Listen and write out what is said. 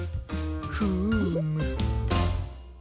フーム。